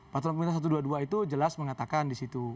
peraturan peminta satu ratus dua puluh dua itu jelas mengatakan disitu